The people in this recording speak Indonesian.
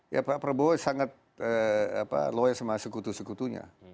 ya pak prabowo sangat loyal sama sekutu sekutunya